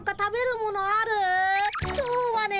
今日はね